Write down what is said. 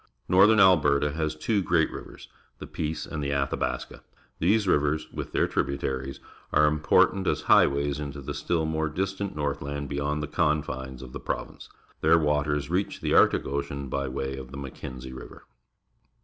Northern Alberta has two great rivers — the Peace and the Athabaska. These rivers, with their tributaries, are important as high ways into the still more distant northland bej'ond the confines of the province. Their waters reach the Arctic Ocean by way of tlie Mackenzie Riv er.